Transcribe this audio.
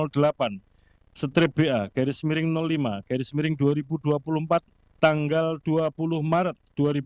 sebagaimana tertuang dalam berita acara nomor dua ratus delapan belas pl satu delapan ba lima dua ribu dua puluh empat tanggal dua puluh maret dua ribu dua puluh empat